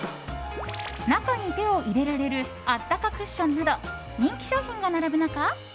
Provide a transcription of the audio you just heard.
中に手を入れられるあったかクッションなど人気商品が並ぶ中